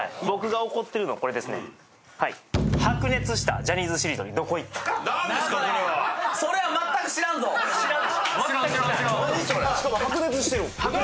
僕が怒ってるのはこれですね何ですか？